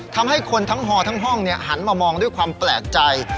ทำให้คนทั้งฮอทั้งห้องหันมามองด้วยความแปลกใจ